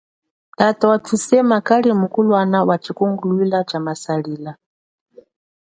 Tata wathusema yethu kali kafunga wa tshikunguluila tshama salila.